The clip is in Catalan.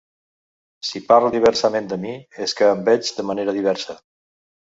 Si parl diversament de mi, és que em veig de manera diversa.